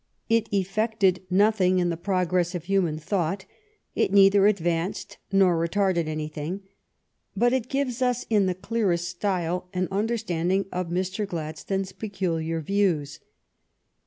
It effected nothing in the progress of human thought; it neither advanced nor retarded any thing; but it gives us in the clearest style an understanding of Mr. Gladstone's peculiar views.